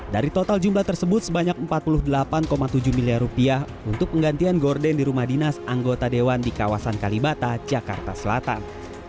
dari total jumlah tersebut sebanyak empat puluh delapan tujuh miliar rupiah untuk penggantian gorden di rumah dinas anggota dewan di kawasan kalibata jakarta selatan